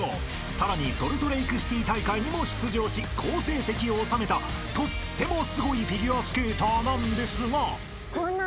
［さらにソルトレークシティ大会にも出場し好成績を収めたとってもすごいフィギュアスケーターなんですが］